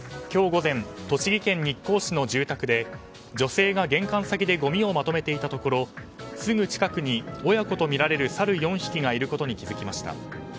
今日午前、栃木県日光市の住宅で女性が玄関先でごみをまとめていたところすぐ近くに親子とみられるサル４匹がいることに気づきました。